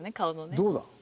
どうだ？